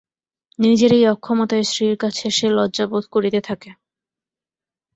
নিজের এই অক্ষমতায় স্ত্রীর কাছে সে লজ্জা বোধ করিতে থাকে।